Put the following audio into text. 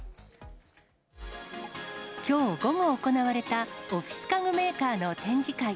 きょう午後行われたオフィス家具メーカーの展示会。